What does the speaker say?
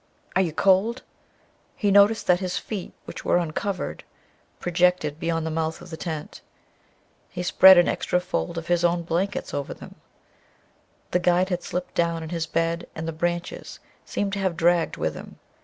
"Are you cold?" He noticed that his feet, which were uncovered, projected beyond the mouth of the tent. He spread an extra fold of his own blankets over them. The guide had slipped down in his bed, and the branches seemed to have been dragged with him.